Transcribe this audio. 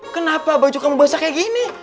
kenapa baju kamu basah kayak gini